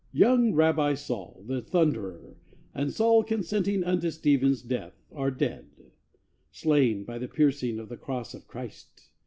Young Rabbi Saul the Thunderer, and Saul Consenting unto Stephen's death, are dead; Slain by the piercing of the Cross of Christ!